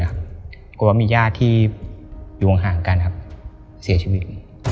กลัวว่ามีญาติที่อยู่ห่างกันครับเสียชีวิต